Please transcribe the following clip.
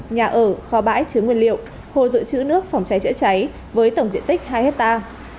nhà ở kho bãi chứa nguyên liệu hồ dự trữ nước phòng cháy chữa cháy với tổng diện tích hai hectare